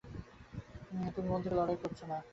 তুমি মন থেকে লড়াই করছো না।